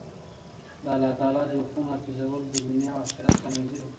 د الله تعالی د حکمونو نافذول د دؤنيا او آخرت کاميابي ده.